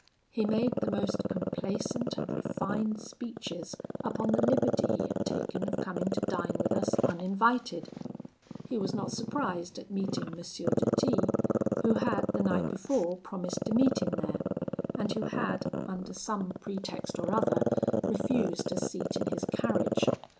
He made the most complaisant and refined speeches upon the liberty he had taken of coming to dine with us uninvited. He was not surprised at meeting M. de T , who had the night before promised to meet him there, and who had, under some pretext or other, refused a seat in his carriage.